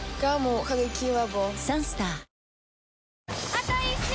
あと１周！